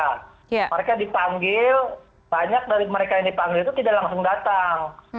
mereka dipanggil banyak dari mereka yang dipanggil itu tidak langsung datang